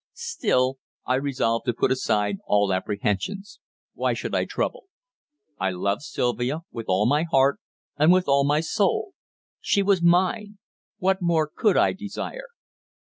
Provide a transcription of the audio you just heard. Still I resolved to put aside all apprehensions. Why should I trouble? I loved Sylvia with all my heart, and with all my soul. She was mine! What more could I desire?